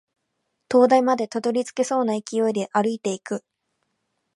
灯台までたどり着けそうな勢いで歩いていく